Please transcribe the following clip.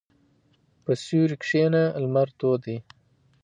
په سیوري کښېنه، لمر تود دی.